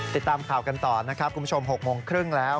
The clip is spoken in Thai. ติดตามข่าวกันต่อนะครับคุณผู้ชม๖โมงครึ่งแล้ว